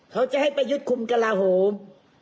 เขาจะให้ประยุทธ์คุมกระลาโหม